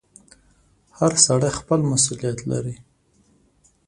• هر سړی خپل مسؤلیت لري.